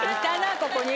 ここにも。